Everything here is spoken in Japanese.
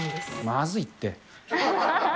まずいって。